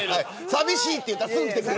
寂しいと言ったらすぐ来てくれる。